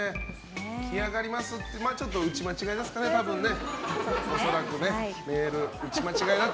しやがりますってのは打ち間違いですかね、多分ね。